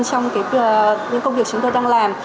trong những công việc chúng tôi đang làm